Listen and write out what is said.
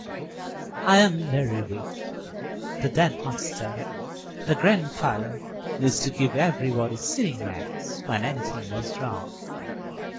I'm very weak. The dead master, the grandfather, used to give everybody sealing wax when anything was wrong.